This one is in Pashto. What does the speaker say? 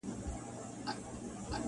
ښکاري زرکي ته اجل کړی کمین وو -